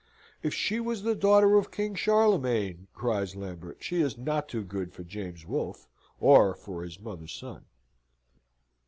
"If she was the daughter of King Charlemagne," cries Lambert, "she is not too good for James Wolfe, or for his mother's son."